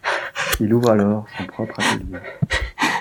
Il ouvre alors son propre atelier.